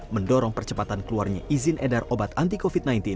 mendorong percepatan keluarnya izin edar obat anti covid sembilan belas